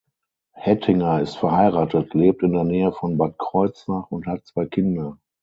Hettinger ist verheiratet, lebt in der Nähe von Bad Kreuznach und hat zwei Kinder.